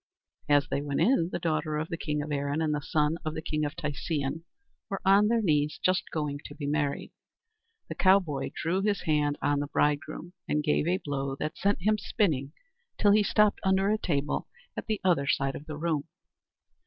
As they went in, the daughter of the king of Erin and the son of the king of Tisean were on their knees just going to be married. The cowboy drew his hand on the bridegroom, and gave a blow that sent him spinning till he stopped under a table at the other side of the room.